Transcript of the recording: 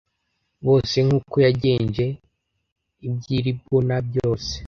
bose nk uko yagenje iby i libuna byose